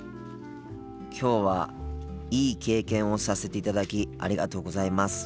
今日はいい経験をさせていただきありがとうございます。